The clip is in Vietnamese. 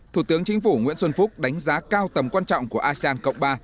thủ tướng chính phủ nguyễn xuân phúc đánh giá cao tầm quan trọng của asean cộng ba